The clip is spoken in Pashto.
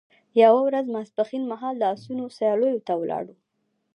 یوه ورځ ماپښین مهال د اسونو سیالیو ته ولاړو.